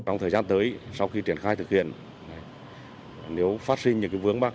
trong thời gian tới sau khi triển khai thực hiện nếu phát sinh những vướng mắt